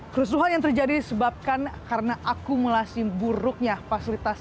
kerusuhan yang terjadi disebabkan karena akumulasi buruknya fasilitas